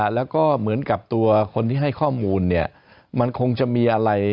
แล้วก็เหมือนกับตัวคนที่ให้ข้อมูลเนี่ยมันคงจะมีอะไร